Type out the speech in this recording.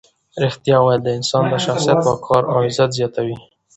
ریښتیا ویل د انسان د شخصیت وقار او عزت زیاتوي.